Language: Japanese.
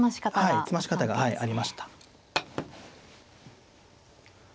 はい詰まし方がありました。